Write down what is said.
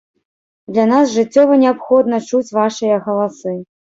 Для нас жыццёва неабходна чуць вашыя галасы!